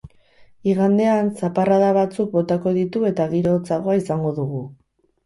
Igandean, zaparrada batzuk botako ditu eta giro hotzagoa izango dugu.